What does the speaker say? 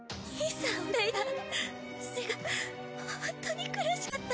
それが本当に苦しかった。